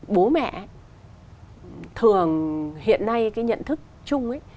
bố mẹ thường hiện nay cái nhận thức chung ấy